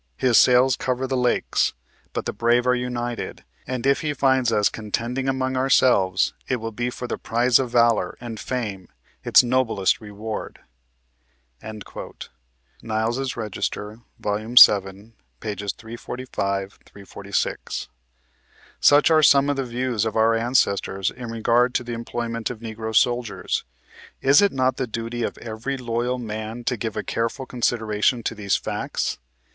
His sails cover the lakes. But the brave are united ; and if he finds us contending among ourselves, it will be for the prize of valor, and fame, its noblest reward." — Niles's Register, vol. vii., pp. 345, 346. Such are some of the views of our ancestors in regard to the employ ment of Negro soldiers. Is it not the duty of every loyal man to give a careful consideration to these facts